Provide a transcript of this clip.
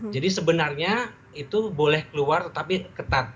jadi sebenarnya itu boleh keluar tetapi ketat